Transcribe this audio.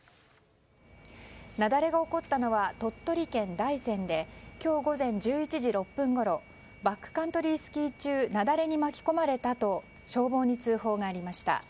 雪崩が起こったのは鳥取県大山で今日午前１１時６分ごろバックカントリースキー中雪崩に巻き込まれたと消防に通報がありました。